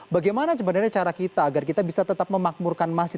bagaimana sebenarnya cara kita agar kita bisa tetap memakmurkan masjid